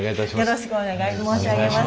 よろしくお願い申し上げます。